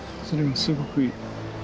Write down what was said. それはすごくいい。